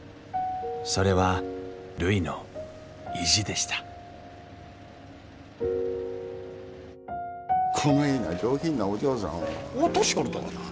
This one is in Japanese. それはるいの意地でしたこないな上品なお嬢さんを落としよるとはなあ。